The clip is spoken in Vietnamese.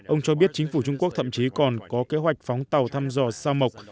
ông cho biết chính phủ trung quốc thậm chí còn có kế hoạch phóng tàu thăm dò sa mộc